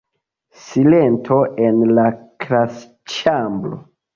Silento en la klasĉambro.